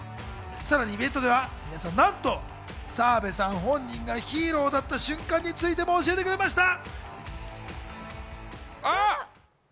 さらにイベントでは、なんと澤部さん本人がＨＥＲＯだった瞬間についても教えてくれました。